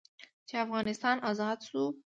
چې افغانستان ازاد سو.